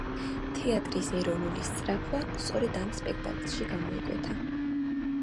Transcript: თეატრის ეროვნული სწრაფვა სწორედ ამ სპექტაკლში გამოიკვეთა.